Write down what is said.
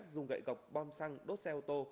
dùng gậy gọc bom xăng đốt xe ô tô